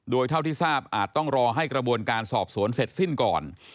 โดยเท่าที่ทราบอาจต้องรอให้กระบวนการสอบสวนเสร็จสิ้นก่อน